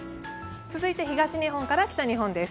続いて東日本から北日本です。